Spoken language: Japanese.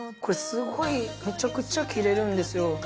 これすごいめちゃくちゃ切れるんですよ。